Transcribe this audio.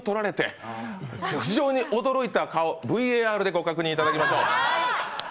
非常に驚いた顔、ＶＡＲでご確認いただきましょう。